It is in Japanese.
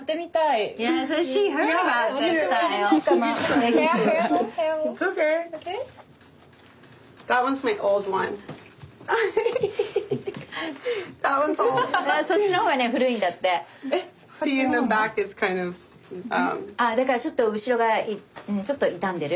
えっこっちの方が？だからちょっと後ろがちょっと傷んでる。